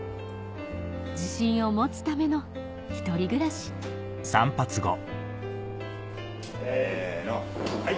自信を持つための１人暮らしせのはい。